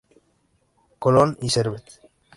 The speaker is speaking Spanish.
Colón y Servet.